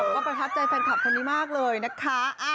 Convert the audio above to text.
ประทับใจแฟนคลับคนนี้มากเลยนะคะ